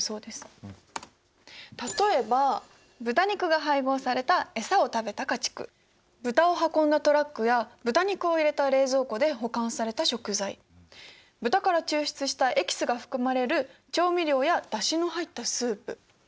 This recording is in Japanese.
例えば豚肉が配合されたエサを食べた家畜豚を運んだトラックや豚肉を入れた冷蔵庫で保管された食材豚から抽出したエキスが含まれる調味料やだしの入ったスープ。